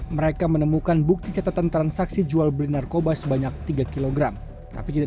mereka menemukan bukti catatan transaksi jual beli narkoba sebanyak tiga kg tapi tidak